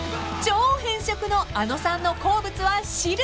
［超偏食のあのさんの好物は汁］